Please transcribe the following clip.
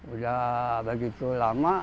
udah begitu lama